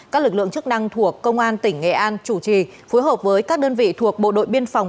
các lực lượng chức năng thuộc công an tỉnh nghệ an chủ trì phối hợp với các đơn vị thuộc bộ đội biên phòng